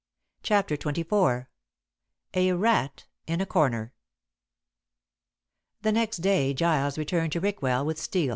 CHAPTER XXIV A RAT IN A CORNER The next day Giles returned to Rickwell with Steel.